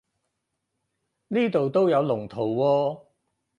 呢度都有龍圖喎